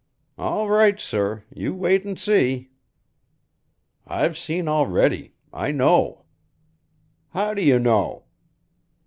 "All right, sir. You wait and see." "I've seen already. I know." "How do you know?"